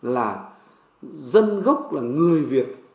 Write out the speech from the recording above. là dân gốc là người việt